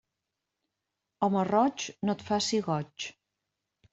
Home roig no et faci goig.